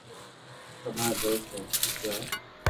تماري دوست اي ديدو ھي